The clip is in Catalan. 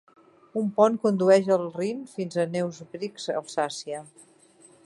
Un pont condueix al Rin fins a Neuf-Brisach, Alsàcia.